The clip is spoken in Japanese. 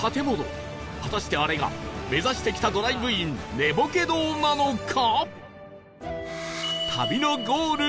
果たしてあれが目指してきたドライブインネボケドウなのか？